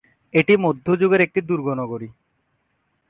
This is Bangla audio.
এটি মধ্যযুগের একটি দুর্গ নগরী।